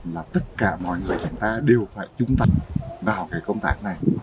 là tất cả mọi người chúng ta đều phải chúng ta vào cái công tác này